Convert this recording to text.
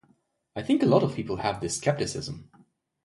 I think a lot of people have this scepticism.